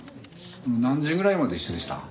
何時ぐらいまで一緒でした？